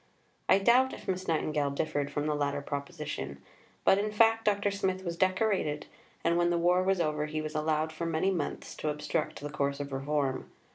I doubt if Miss Nightingale differed from the latter proposition. But in fact Dr. Smith was decorated, and when the war was over he was allowed for many months to obstruct the course of reform.